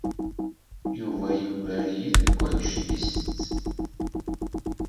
Yuba yugar-iyi deg wanect i isett.